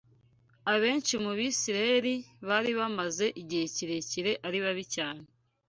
Abenshi mu Bisirayeli bari bamaze igihe kirekire ari babi cyane